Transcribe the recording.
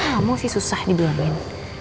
kamu sih susah dibilangin